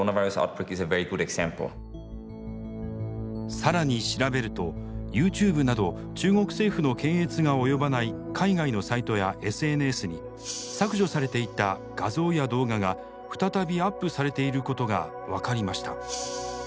更に調べるとＹｏｕＴｕｂｅなど中国政府の検閲が及ばない海外のサイトやＳＮＳに削除されていた画像や動画が再びアップされていることが分かりました。